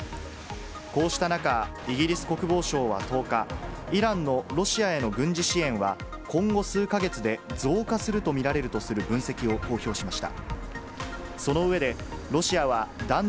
こうした中、イギリス国防省は１０日、イランのロシアへの軍事支援は今後数か月で増加すると見られるとする分析を公表しました。